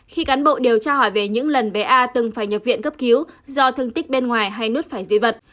khi cán bộ điều tra hỏi về những lần bé a từng phải nhập viện cấp cứu do thương tích bên ngoài hay nuốt phải di vật